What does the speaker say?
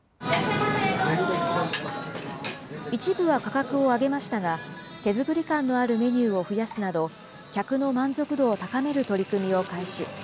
一部は価格を上げましたが、手作り感のあるメニューを増やすなど、客の満足度を高める取り組みを開始。